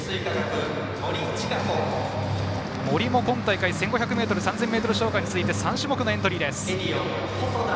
森も今大会１５００ｍ３０００ｍ障害に続き３種目のエントリーです。